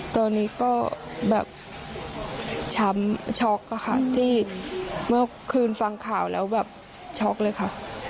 ตอนนี้ก็แบบช้ำช็อกอะค่ะที่เมื่อคืนฟังข่าวแล้วแบบช็อกเลยค่ะ